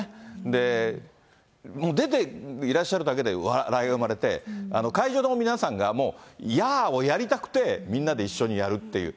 で、出ていらっしゃるだけで笑いが生まれて、会場の皆さんがもう、ヤーをやりたくて、みんなで一緒にやるっていう。